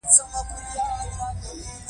ښځه او مېړه د يو بل لباس وي